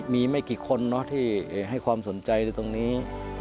มีไม่กี่คนที่ให้ความสนใจในตรงนี้